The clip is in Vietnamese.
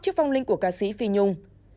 trước phong linh của ca sĩ phi nhung